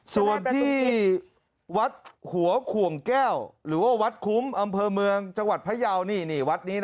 ส่วนที่วัดหัวขวงแก้วหรือว่าวัดคุ้มอำเภอเมืองจังหวัดพยาวนี่วัดนี้นะ